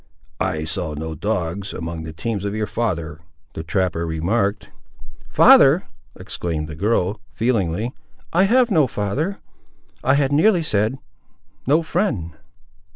"I saw no dogs, among the teams of your father," the trapper remarked. "Father!" exclaimed the girl, feelingly, "I have no father! I had nearly said no friend."